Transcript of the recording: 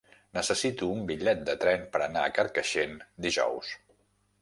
Necessito un bitllet de tren per anar a Carcaixent dijous.